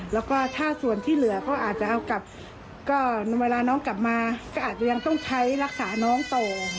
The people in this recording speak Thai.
แล้วก็ถ้าส่วนที่เหลือก็อาจจะเอากลับก็เวลาน้องกลับมาก็อาจจะยังต้องใช้รักษาน้องต่อ